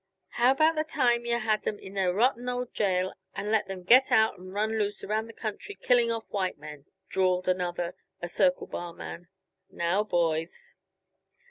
"How about the time yuh had 'em in your rotten old jail, and let 'em get out and run loose around the country, killing off white men?" drawled another a Circle Bar man. "Now boys."